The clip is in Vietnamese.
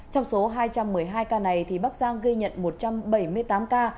trong số hai trăm một mươi hai ca này bắc giang ghi nhận một trăm bảy mươi tám ca